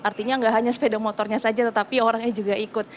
artinya nggak hanya sepeda motornya saja tetapi orangnya juga ikut